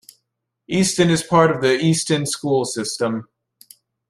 Easton is part of the Easton School System.